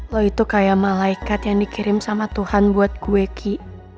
lo itu kayak malaikat yang dikirim sama tuhan buat gue ki